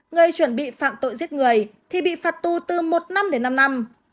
người chuẩn bị phạm tội giết người thì bị phạt tù từ một năm đến năm năm